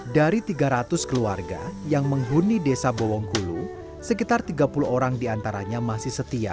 dari tiga ratus keluarga yang menghuni desa bowongkulu sekitar tiga puluh orang diantaranya masih setia